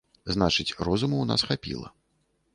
Значыць, розуму ў нас хапіла.